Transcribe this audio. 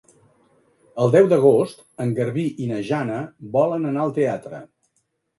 El deu d'agost en Garbí i na Jana volen anar al teatre.